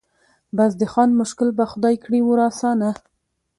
بس د خان مشکل به خدای کړي ور آسانه